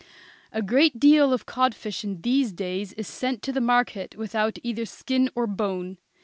A great deal of codfish in these days is sent to the market without either skin or bone.